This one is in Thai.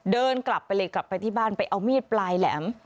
เดินกลับไปเลยกลับไปที่บ้านไปเอามีดปลายแหลม